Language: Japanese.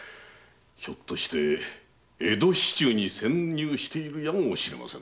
ひょっとして江戸市中に潜入しているやもしれません。